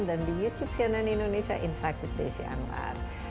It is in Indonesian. dan di youtube sianan indonesia insight with desi anwar